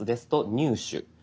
「入手」。